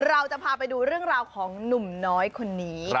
เราจะพาไปดูเรื่องราวของหนุ่มน้อยคนนี้